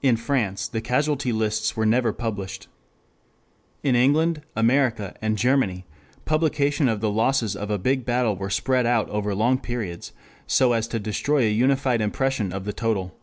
In France the casualty lists were never published. In England, America, and Germany publication of the losses of a big battle were spread out over long periods so as to destroy a unified impression of the total.